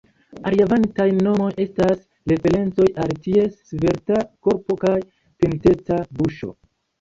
Alia variantaj nomoj estas referencoj al ties svelta korpo kaj pinteca buŝo.